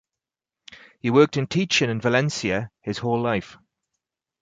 He worked in teaching in Valencia his whole life.